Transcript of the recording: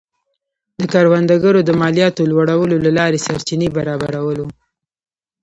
د کروندګرو د مالیاتو لوړولو له لارې سرچینې برابرول و.